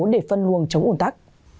để phân luồng chống ổn tắc